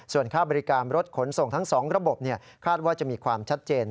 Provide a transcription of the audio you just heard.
ส่วนค่าบริการรถขนส่งทั้ง๒ระบบคาดว่าจะมีความชัดเจน